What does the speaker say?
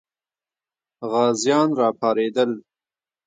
غازیان راپارېدل.